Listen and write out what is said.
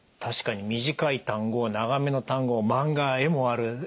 確かに短い単語長めの単語マンガは絵もある。